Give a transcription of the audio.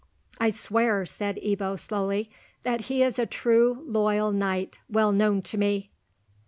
"I swear," said Ebbo, slowly, "that he is a true loyal knight, well known to me."